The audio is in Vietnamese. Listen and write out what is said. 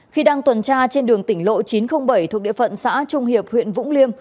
khi đang tuần tra trên đường tỉnh lộ chín trăm linh bảy thuộc địa phận xã trung hiệp huyện vũng liêm